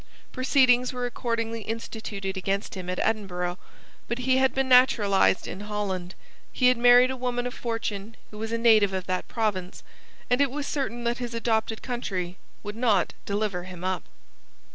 Proceedings were accordingly instituted against him at Edinburgh: but he had been naturalised in Holland: he had married a woman of fortune who was a native of that province: and it was certain that his adopted country would not deliver him up.